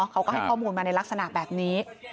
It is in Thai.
เขาก็ให้ข้อมูลมาในลักษณะแบบนี้